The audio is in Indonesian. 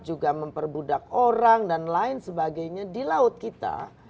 juga memperbudak orang dan lain sebagainya di laut kita